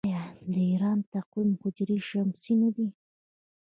آیا د ایران تقویم هجري شمسي نه دی؟